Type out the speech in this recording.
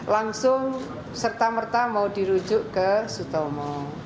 langsung serta merta mau dirujuk ke sutomo